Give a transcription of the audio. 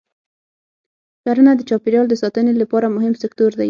کرنه د چاپېریال د ساتنې لپاره مهم سکتور دی.